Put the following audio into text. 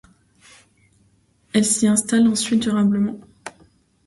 Il s’y installe ensuite durablement.